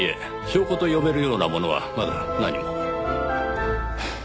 証拠と呼べるようなものはまだ何も。